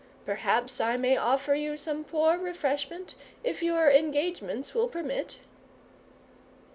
Perhaps I may offer you some poor refreshment, if your engagements will permit."